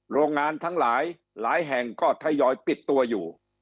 โรงงานทั้งหลายหลายแห่งก็ทยอยปิดตัวอยู่